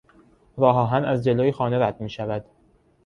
راهآهن از جلو خانه رد میشود.